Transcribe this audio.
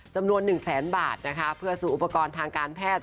จำนวนหนึ่งแสนบาทนะคะเพื่อสู่อุปกรณ์ทางการแพทย์